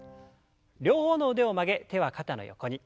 両方の腕を曲げ手は肩の横に。